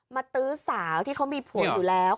ตื้อสาวที่เขามีผัวอยู่แล้ว